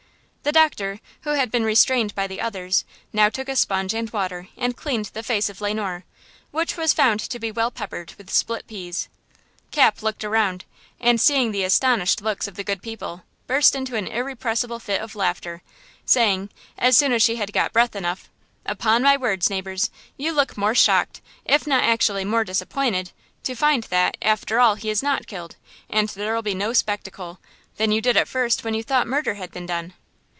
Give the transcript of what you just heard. The doctor who had been restrained by the others now took a sponge and water and cleaned the face of Le Noir, which was found to be well peppered with split peas! Cap looked around, and seeing the astonished looks of the good people, burst into an irrepressible fit of laughter, saying, as soon as she had got breath enough: "Upon my word, neighbors, you look more shocked, if not actually more disappointed, to find that, after all he is not killed, and there'll be no spectacle, than you did at first when you thought murder had been done."